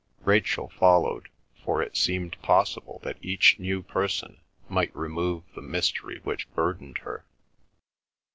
Rachel followed, for it seemed possible that each new person might remove the mystery which burdened her.